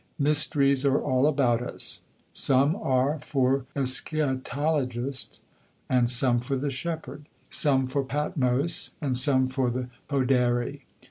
Mysteries are all about us. Some are for the eschatologist and some for the shepherd; some for Patmos and some for the podere.